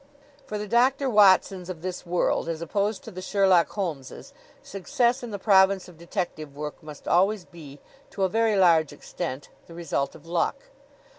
For the Doctor Watsons of this world, as opposed to the Sherlock Holmeses, success in the province of detective work must always be, to a very large extent, the result of luck.